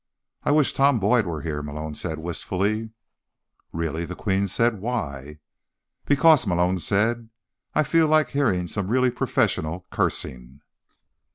"I wish Tom Boyd were here," Malone said wistfully. "Really?" the Queen said. "Why?" "Because," Malone said, "I feel like hearing some really professional cursing."